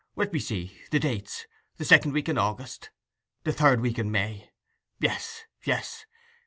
Let me see: the dates—the second week in August ... the third week in May ... Yes ... yes